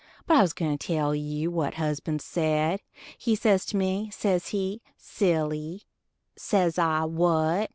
But I was a gwine to tell you what husband said. He says to me, says he, "Silly"; says I, "What?"